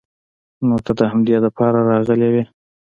نو ته د همدې د پاره راغلې وې.